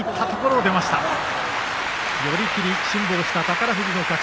寄り切り、辛抱した宝富士の勝ち。